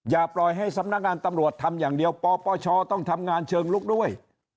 อย่าปล่อยให้สำนักงานตำรวจทำอย่างเดียวปปชต้องทำงานเชิงลุกด้วย